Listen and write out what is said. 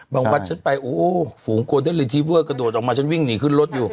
บางวัตรฉันไปโอ้โหฝูงโกตรดฤทธิเวอร์กระโดดออกมาฉันวิ่งหนีขึ้นรถอยู่